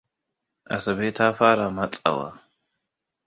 Asabe ta fara matsawa.